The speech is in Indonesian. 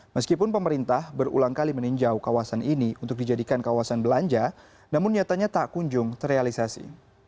meskipun pemerintah berulang kali meninjau kawasan ini untuk dijadikan kawasan belanja namun nyatanya tak kunjung terrealisasi